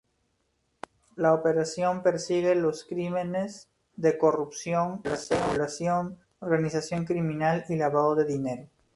La operación persigue los crímenes de corrupción, especulación, organización criminal y lavado de dinero.